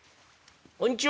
こんちは」。